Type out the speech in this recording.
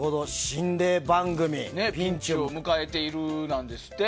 心霊番組がピンチを迎えているんですって。